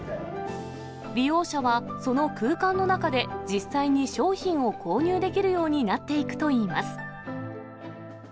利用者は、その空間の中で実際に商品を購入できるようになっていくといいます。